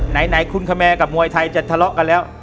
ไหนคุณคะแมร์กับมวยไทยจะทะเลาะกันแล้ว